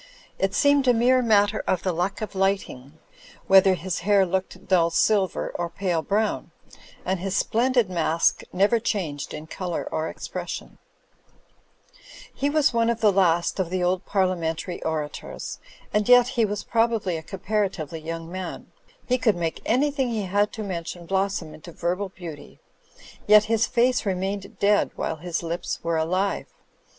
It seemed a mere matter of the luck of lighting wheth er his hair looked dull silver or pale brown; and his splendid mask never changed in colour or expression. Digitized by CjOOQ IC THE END OF OLIVE ISLAND 25 He was one of the last of the old Parliamentary orators; and yet he was probably a comparatively young man ; he could make an)rthing he had to men tion blossom into verbal beauty; yet his face re mained dead while his lips were alive.